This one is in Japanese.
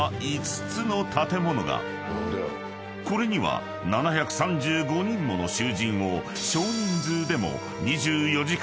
［これには７３５人もの囚人を］